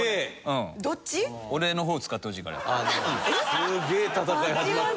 すげえ戦い始まった。